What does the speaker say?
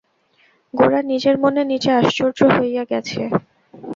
গোরা নিজের মনে নিজে আশ্চর্য হইয়া গেছে।